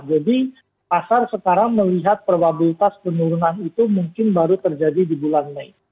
jadi pasar sekarang melihat probabilitas penurunan itu mungkin baru terjadi di bulan mei